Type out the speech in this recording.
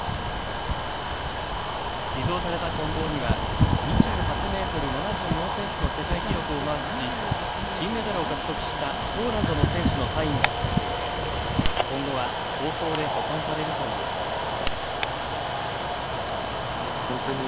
寄贈されたこん棒には２８メートル７４センチの世界記録をマークし、金メダルを獲得したポーランドの選手のサインが書かれていて今後は高校で保管されるということです。